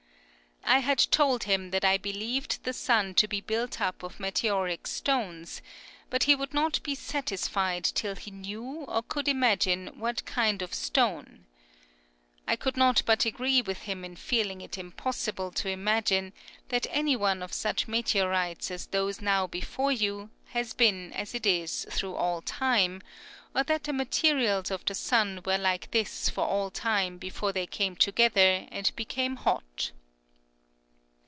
' I had told him that I believed the sun to be built up of meteoric stones, but he would not be satisfied till he knew or could imagine what kind of stone. I could not but agree with him in feeling it impossible to imagine that any one of such meteorites as those now before you has been as it is through all time, or that the materials of the sun were like this for all time before they came together and be came hot.